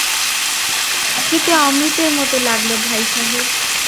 খেতে অমৃতের মতো লাগল ভাইসাহেব।